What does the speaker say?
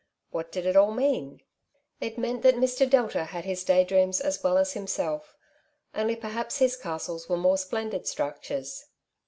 What did it all mean ? It meant that Mr. Delta had his day dreams as well as himself, only perhaps his castles were more splendid structures.